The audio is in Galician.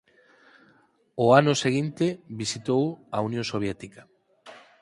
Ó ano seguinte visitou a Unión Soviética.